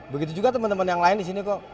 begitu juga teman teman yang lain di sini kok